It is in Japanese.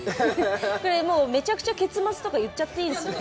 これもうめちゃくちゃ結末とか言っちゃっていいですね。